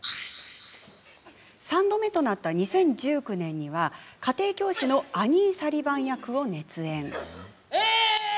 ３度目となった２０１９年には、家庭教師のアニー・サリヴァン役を熱演。